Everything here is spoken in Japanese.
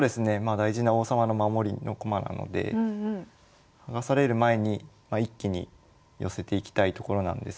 大事な王様の守りの駒なので剥がされる前に一気に寄せていきたいところなんですけど。